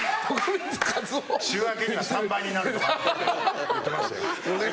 週明けには３倍になるってとかって言ってましたよ。